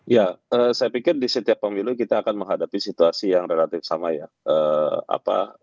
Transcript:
ya saya pikir di setiap pemilu kita akan menghadapi situasi yang relatif sama ya